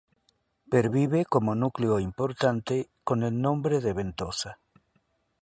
Pervive como núcleo importante con el nombre de Ventosa.